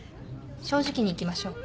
正直にいきましょう。